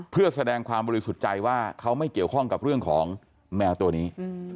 เพื่อแสดงความบริสุทธิ์ใจว่าเขาไม่เกี่ยวข้องกับเรื่องของแมวตัวนี้